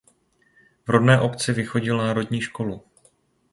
V rodné obci vychodil národní školu.